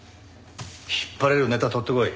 引っ張れるネタ取ってこい。